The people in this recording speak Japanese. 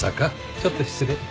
ちょっと失礼。